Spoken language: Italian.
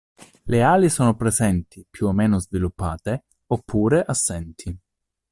Le ali sono presenti, più o meno sviluppate, oppure assenti.